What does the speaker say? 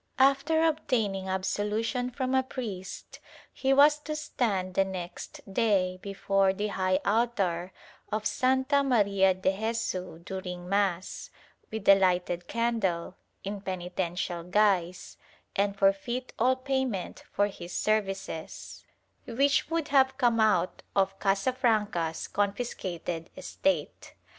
After obtaining absolution from a priest he was to stand the next day before the high altar of Santa Maria de Jesu during mass, with a lighted candle, in penitential guise, and forfeit all payment for his services — which would have come out of Casafranca's con fiscated estate.